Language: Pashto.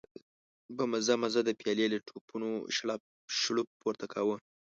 په مزه مزه د پيالې له تپونو شړپ شړوپ پورته کاوه.